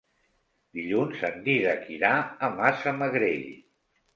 Dilluns en Dídac irà a Massamagrell.